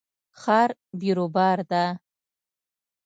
ښار بیروبار ده